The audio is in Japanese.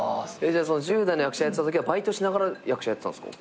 １０代で役者やってたときはバイトしながら役者やってたんすか？